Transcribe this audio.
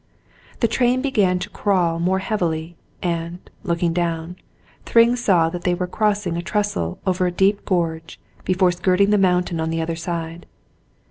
The train began to crawl more heavily, and, looking down, Thryng saw that they were crossing a trestle over a deep gorge before skirting the mountain on the other side.